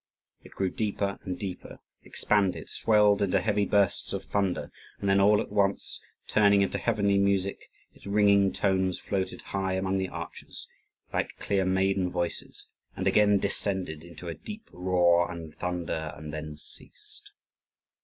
It grew deeper and deeper, expanded, swelled into heavy bursts of thunder; and then all at once, turning into heavenly music, its ringing tones floated high among the arches, like clear maiden voices, and again descended into a deep roar and thunder, and then ceased.